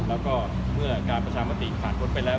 และเมื่อการประชามาติผ่านบนไปแล้ว